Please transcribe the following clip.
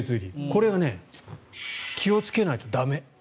これが気をつけないと駄目。